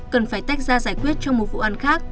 cần phải tách ra giải quyết cho một vụ án khác